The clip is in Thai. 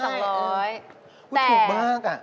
ไปถูกมาก